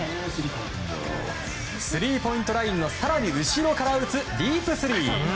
スリーポイントラインの更に後ろから打つディープスリー！